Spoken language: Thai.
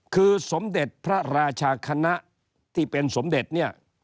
คือสมเด็จพระราชาคณะที่เป็นสมเด็จเนี่ย